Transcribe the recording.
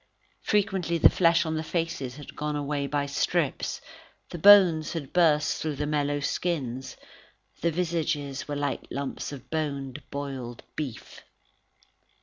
Frequently, the flesh on the faces had gone away by strips, the bones had burst through the mellow skins, the visages were like lumps of boned, boiled beef.